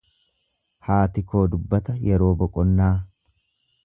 Haati koo dubbata yeroo boqonnaa.